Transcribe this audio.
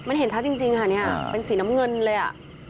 มันเห็นชัดจริงค่ะเนี่ยเป็นสีน้ำเงินเลยอ่ะ